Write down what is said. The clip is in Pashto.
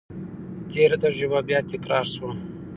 تېره تجربه بیا تکرار شوه.